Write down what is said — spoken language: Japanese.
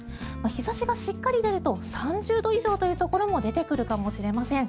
日差しがしっかり出ると３０度以上というところも出てくるかもしれません。